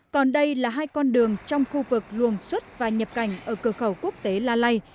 còn đây là hai con đường trong khu vực luồng xuất và nhập cảnh ở cửa khẩu quốc tế la lai